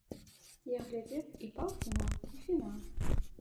Я глядзеў і паўфінал, і фінал.